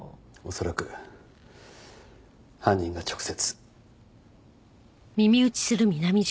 恐らく犯人が直接。